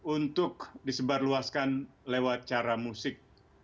untuk disebarluaskan lewat cara musik